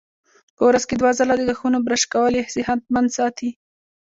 په ورځ کې دوه ځله د غاښونو برش کول یې صحتمند ساتي.